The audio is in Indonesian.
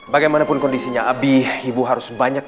bagaimanapun kondisinya abi ibu harus berhati hati